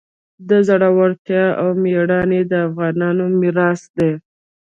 زړورتیا او میړانه د افغانانو میراث دی.